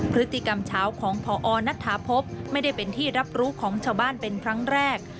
พฤติกรรมเช้าของพอนัทธาพบไม่ได้เป็นที่รับรู้ของชาวบ้านเป็นครั้งแรก